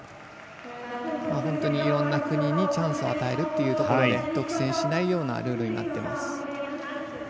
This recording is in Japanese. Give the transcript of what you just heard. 本当にいろんな国にチャンスを与えるということで独占しないようなルールになっています。